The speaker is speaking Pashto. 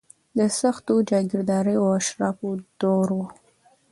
د سختو جاګیرداریو او اشرافو دور و.